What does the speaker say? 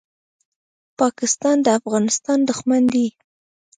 پاکستان د افغانستان دښمن دی.